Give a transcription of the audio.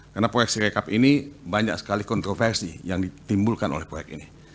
karena proyek sirekap ini banyak sekali kontroversi yang ditimbulkan oleh proyek ini